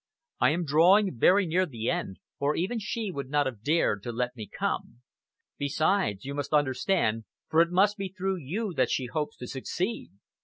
I am drawing very near the end, or even she would not have dared to let me come. Besides, you must understand, for it must be through you that she hopes to succeed.